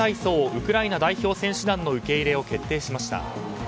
ウクライナ代表選手団の受け入れを決定しました。